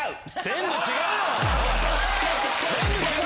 全部違うよ！